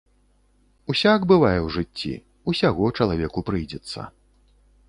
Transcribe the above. Усяк бывае ў жыцці, усяго чалавеку прыйдзецца.